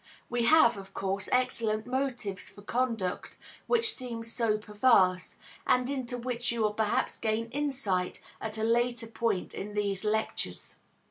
We have, of course, excellent motives for conduct which seems so perverse, and into which you will perhaps gain insight at a later point in these lectures.